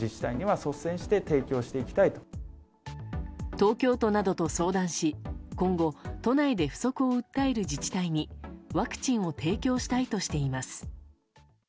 東京都などと相談し今後、都内で不足を訴える自治体にワクチンを提供したいとしています。